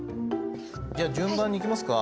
じゃあ順番に行きますか？